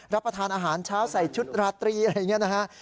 รับประทานอาหารเช้าใส่ชุดราตรีอะไรอย่างนี้นะฮะ